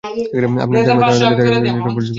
আপনি চার মাস ধরে আদালতের আদেশ নিয়ে পরিদর্শন করছেন।